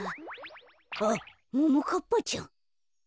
あっももかっぱちゃん。